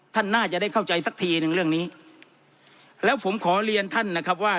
ท่านน่าจะได้เข้าใจสักทีหนึ่งเรื่องนี้แล้วผมขอเรียนท่านนะครับว่า